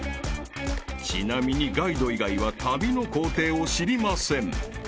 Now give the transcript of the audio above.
［ちなみにガイド以外は旅の行程を知りません］